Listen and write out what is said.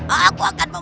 aku akan membuatmu